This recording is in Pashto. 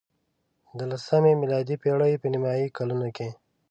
د لسمې میلادي پېړۍ په نیمايي کلونو کې.